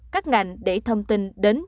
các ngành để thông tin đến